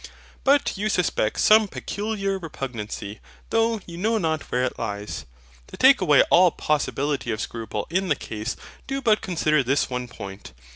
But you suspect some peculiar repugnancy, though you know not where it lies. To take away all possibility of scruple in the case, do but consider this one point.